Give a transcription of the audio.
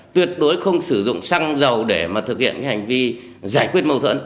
đối với không sử dụng xăng dầu để thực hiện hành vi giải quyết mâu thuẫn